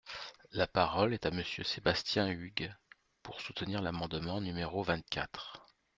La parole est à Monsieur Sébastien Huyghe, pour soutenir l’amendement numéro vingt-quatre.